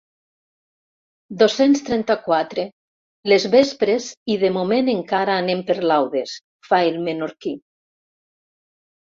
Dos-cents trenta-quatre les vespres i de moment encara anem per laudes, fa el menorquí.